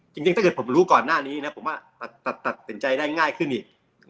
จริงถ้าเกิดผมรู้ก่อนหน้านี้นะผมว่าตัดสินใจได้ง่ายขึ้นอีก